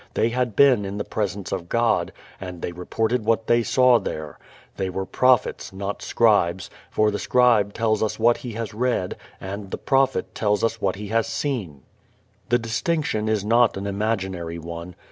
They had been in the Presence of God and they reported what they saw there. They were prophets, not scribes, for the scribe tells us what he has read, and the prophet tells what he has seen. The distinction is not an imaginary one.